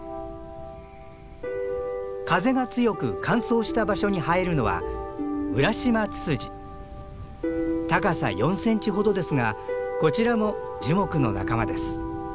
風が強く乾燥した場所に生えるのは高さ４センチほどですがこちらも樹木の仲間です。